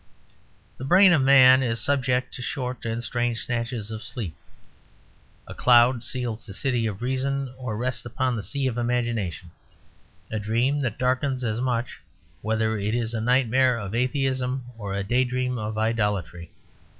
The brain of man is subject to short and strange snatches of sleep. A cloud seals the city of reason or rests upon the sea of imagination; a dream that darkens as much, whether it is a nightmare of atheism or a daydream of idolatry.